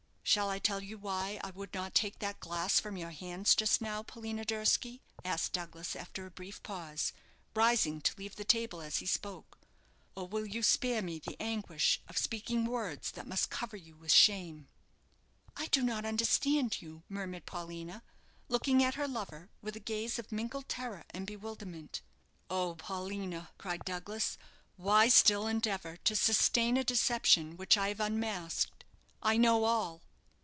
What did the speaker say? "Shall I tell you why I would not take that glass from your hands just now, Paulina Durski?" asked Douglas, after a brief pause, rising to leave the table as he spoke. "Or will you spare me the anguish of speaking words that must cover you with shame?" "I do not understand you," murmured Paulina, looking at her lover with a gaze of mingled terror and bewilderment. "Oh, Paulina!" cried Douglas; "why still endeavour to sustain a deception which I have unmasked? I know all."